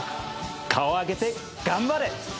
顔を上げて頑張れ。